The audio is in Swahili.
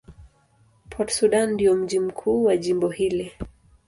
Port Sudan ndio mji mkuu wa jimbo hili.